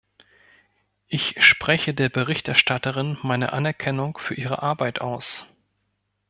Ich spreche der Berichterstatterin meine Anerkennung für ihre Arbeit aus.